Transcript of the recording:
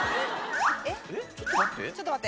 えっ？